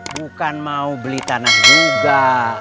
bukan mau beli tanah juga